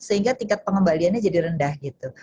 sehingga tingkat pengembaliannya jadi rendah gitu